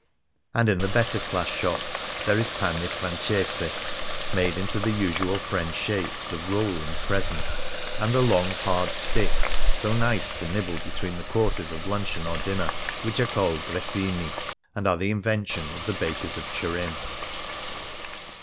And in the better class shops there is pane francese, made into the usual French shapes of roll and crescent ; and the long, hard sticks so nice to nibble between the courses of luncheon or dinner which are called gressinU and are the invention of the bakers of Turin.